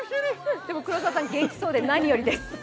でも黒澤さん、元気そうで何よりです。